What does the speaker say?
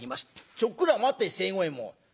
「ちょっくら待て清五右衛門。